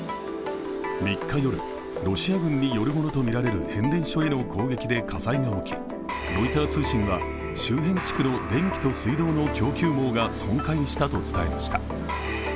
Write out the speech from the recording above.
３日夜、ロシア軍によるものとみられる変電所への火災が起き、ロイター通信が周辺地区の電気と水道の供給網が損壊したと伝えました。